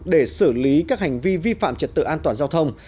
để xử lý các hành vi vi phạm trật tự an toàn giao thông